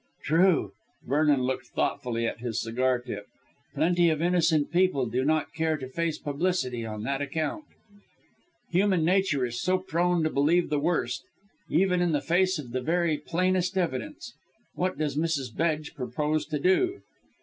"True!" Vernon looked thoughtfully at his cigar tip. "Plenty of innocent people do not care to face publicity on that account. Human nature is so prone to believe the worst, even in the face of the very plainest evidence. What does Mrs. Bedge propose to do?"